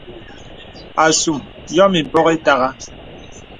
Asùm yòm ìpɔk ìtàgà.